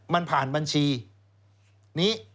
มันผ่านบัญชีนี้